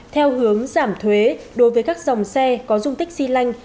theo hướng giảm thuế đối với các dòng xe có dung tích xy lanh